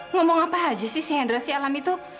ngomong apa aja sih si hendra si alan itu